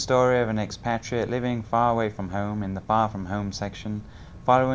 tuy rằng xa sống ở xứ người